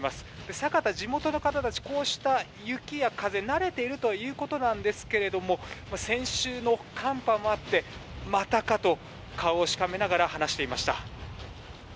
酒田、地元の方たちはこうした雪や風、慣れているということなんですけれども先週の寒波もあってまたかと顔をしかめながら話していました。